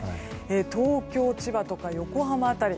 東京、千葉とか横浜辺り